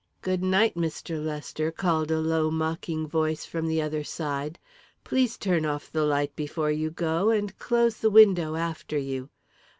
"Good night, Mr. Lester," called a low mocking voice from the other side. "Please turn off the light before you go, and close the window after you.